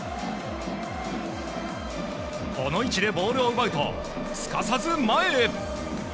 この位置でボールを奪うとすかさず前へ。